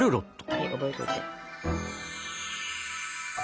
はい覚えといて。